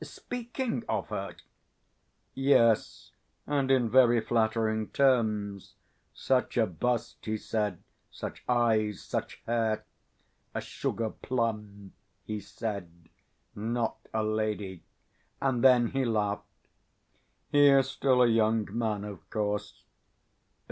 "Speaking of her?" "Yes, and in very flattering terms. Such a bust, he said, such eyes, such hair.... A sugar plum, he said, not a lady and then he laughed. He is still a young man, of course."